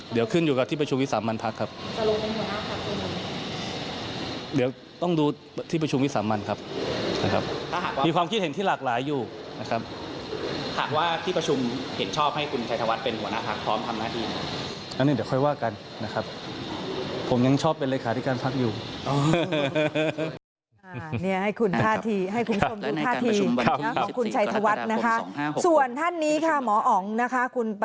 เดี๋ยวขึ้นอยู่กับที่ประชุมวิสามันพักครับ